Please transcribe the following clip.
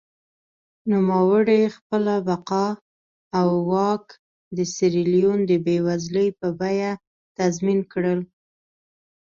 نوموړي خپله بقا او واک د سیریلیون د بېوزلۍ په بیه تضمین کړل.